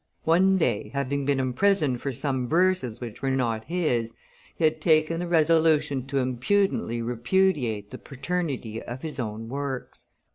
One day, having been imprisoned for some verses which were not his, he had taken the resolution to impudently repudiate the paternity of his own works.